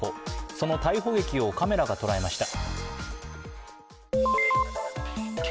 その逮捕劇をカメラが捉えました。